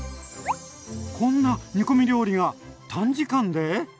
こんな煮込み料理が短時間で？